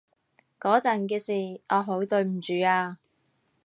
嗰陣嘅事，我好對唔住啊